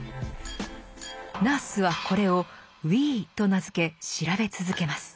ナースはこれを「Ｗｅｅ」と名付け調べ続けます。